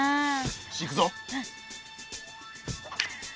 よしいくぞ。